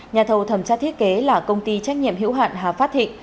nhà thầu thầm chát thiết kế là công ty trách nhiệm hữu hạn hà phát thị